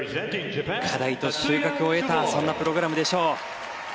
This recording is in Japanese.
課題と収穫を得たそんなプログラムでしょう。